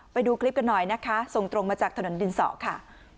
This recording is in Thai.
ไปดูคลิปกันหน่อยนะคะส่งตรงมาจากถนนดินสอค่ะ